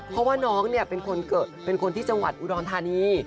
เพราะว่าน้องเนี่ยเป็นคนที่จังหวัดอุดรธานี